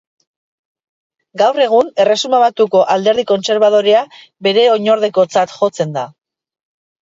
Gaur egun, Erresuma Batuko Alderdi Kontserbadorea bere oinordekotzat jotzen da.